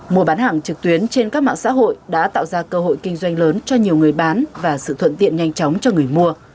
mùa bán hàng trực tuyến trên các mạng xã hội đã tạo ra cơ hội kinh doanh lớn cho nhiều người bán và sự thuận tiện nhanh chóng cho người mua